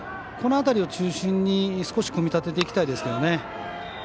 この辺りを中心に少し組み立てていきたいですね。